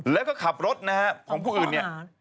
แล้วก็ขับรถนะฮะของผู้อื่นเนี่ย